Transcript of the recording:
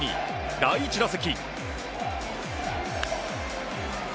第１打席。